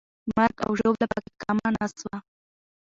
مرګ او ژوبله پکې کمه نه سوه.